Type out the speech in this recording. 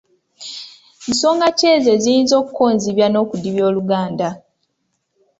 Nsonga ki ezo eziyinza okukonzibya n’okudibya Oluganda?